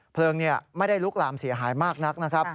เพลิงไม่ได้ลุกลามเสียหายมากนักนะครับ